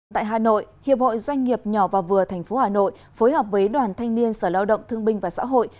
tại hà nội hiệp hội doanh nghiệp nhỏ và vừa tp hà nội phối hợp với đoàn thanh niên sở lao động thương binh và xã hội